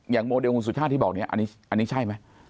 โมเดลคุณสุชาติที่บอกเนี่ยอันนี้ใช่ไหม